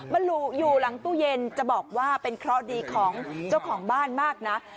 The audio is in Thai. มันอยู่หลังตู้เย็นจะบอกว่าเป็นเคราะห์ดีของเจ้าของบ้านมากนะ